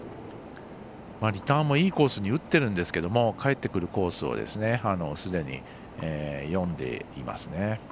リターンもいいコースに打っているんですけれども返ってくるコースをすでに読んでいますね。